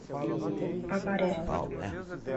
Avaré